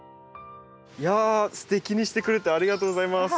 いやすてきにしてくれてありがとうございます。